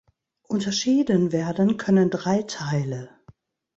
Unterschieden werden können drei Teile.